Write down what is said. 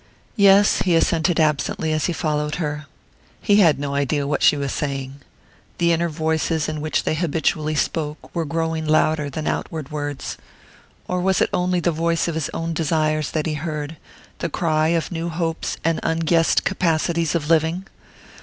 "Yes," he assented absently as he followed her. He had no idea what she was saying. The inner voices in which they habitually spoke were growing louder than outward words. Or was it only the voice of his own desires that he heard the cry of new hopes and unguessed capacities of living?